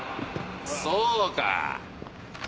そうか。